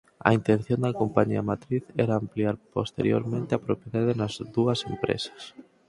A intención da compañía matriz era ampliar posteriormente a propiedade nas dúas empresas.